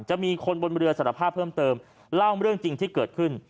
จะมีคนบนเรือสารภาพเพิ่มเติมเล่าเรื่องจริงที่เกิดขึ้น